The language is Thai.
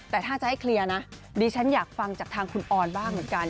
แต่ถ้าจะให้เคลียร์นะดิฉันอยากฟังจากทางคุณออนบ้างเหมือนกัน